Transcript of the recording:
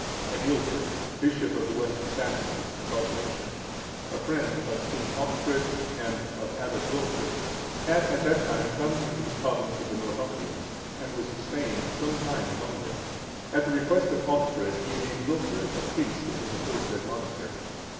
Agilbert, bishop of the West Saxons,(463) above mentioned, a friend of King Alchfrid and of Abbot Wilfrid, had at that time come into the province of the Northumbrians, and was staying some time among them; at the request of Alchfrid, he made Wilfrid a priest in his aforesaid monastery.